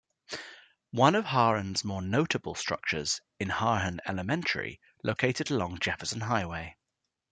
One of Harahan's more notable structures is Harahan Elementary, located along Jefferson Highway.